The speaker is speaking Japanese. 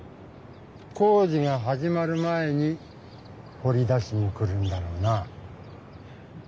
工事が始まる前にほり出しに来るんだろうな。